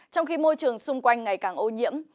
trong khi môi trường xung quanh ngày càng ô nhiễm